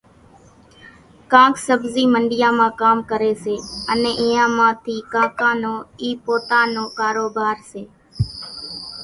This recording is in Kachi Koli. ڪانڪ سٻزِي منڍيان مان ڪام ڪريَ سي، انين اينيان مان ٿِي ڪانڪان نون اِي پوتا نو ڪاروڀار سي۔